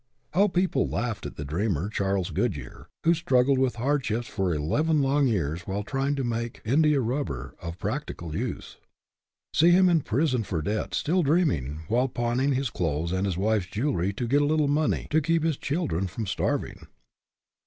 How people laughed at the dreamer, Charles Goodyear, who struggled with hardships for eleven long years while trying to make india rubber of practical use! See him in prison for debt, still dreaming, while pawning his clothes and his wife's jewelry to get a little money to keep his children from starving!